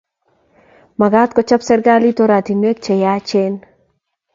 Magat kochob serkalit oratinwek che yachen